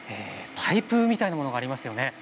パイプみたいなものがありますね。